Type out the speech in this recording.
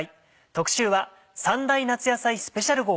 特集は３大夏野菜スペシャル号。